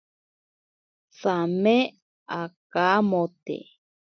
Tsame akamote.